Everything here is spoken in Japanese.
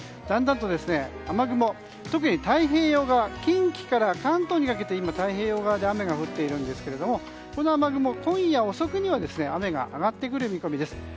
だんだんと雨雲が特に近畿から関東にかけて今、太平洋側で雨が降っているんですがこの雨雲が今夜遅くには雨が上がってくる見込みです。